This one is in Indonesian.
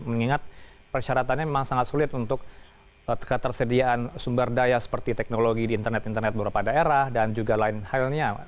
mengingat persyaratannya memang sangat sulit untuk ketersediaan sumber daya seperti teknologi di internet internet beberapa daerah dan juga lain halnya